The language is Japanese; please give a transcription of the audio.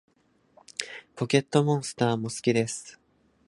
ポケットモンスターも好きです